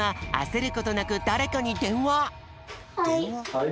はい。